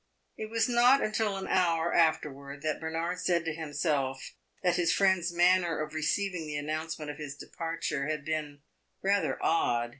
It was not till an hour afterwards that Bernard said to himself that his friend's manner of receiving the announcement of his departure had been rather odd.